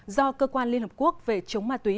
do cơ quan liên hợp quốc về chống ma túy